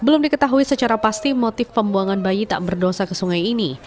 belum diketahui secara pasti motif pembuangan bayi tak berdosa ke sungai ini